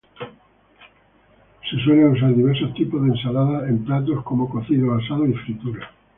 Se suele usar diversos tipos de ensaladas en platos como cocidos, asados y frituras.